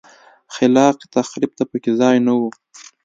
خلاق تخریب ته په کې ځای نه و.